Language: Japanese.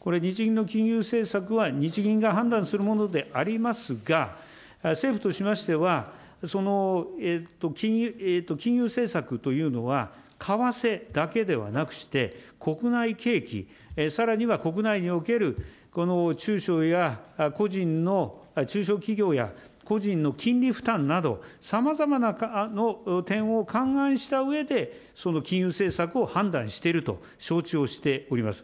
これ、日銀の金融政策は、日銀が判断するものでありますが、政府としましては、その金融政策というのは、為替だけではなくして、国内景気、さらには国内における、中小や個人の、中小企業や個人の金利負担など、さまざまな点を勘案したうえで、その金融政策を判断していると承知をしております。